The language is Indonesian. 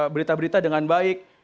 berita berita dengan baik